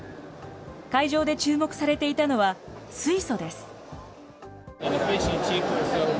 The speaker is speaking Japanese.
会場で注目されていたのは、水素です。